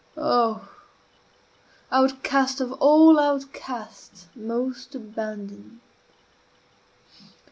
Oh, outcast of all outcasts most abandoned!